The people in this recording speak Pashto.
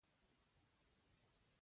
هلک له درده پیاوړی کېږي.